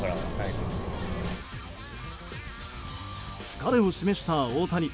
疲れを示した大谷。